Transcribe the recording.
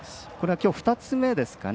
きょう２つ目ですかね